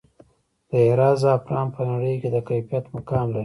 د هرات زعفران په نړۍ کې د کیفیت مقام لري